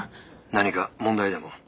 ☎何か問題でも？